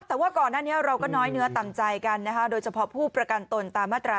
แต่ว่าก่อนหน้านี้เราก็น้อยเนื้อต่ำใจกันนะคะโดยเฉพาะผู้ประกันตนตามมาตรา๑